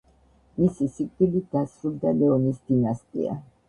მისი სიკვდილით დასრულდა ლეონის დინასტია.